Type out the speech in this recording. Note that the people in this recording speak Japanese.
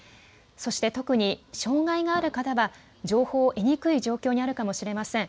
そして特に障害がある方は情報を得にくい状況にあるかもしれません。